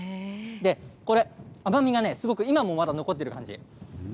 これ、甘みがね、すごく今もまだ残っている感じ。